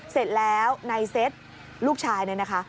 เสร็จแล้วในเซตลูกชายเนี่ยนะคะ